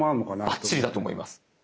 ばっちりだと思います。